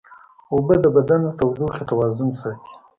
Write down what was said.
اوبه د بدن د تودوخې توازن ساتي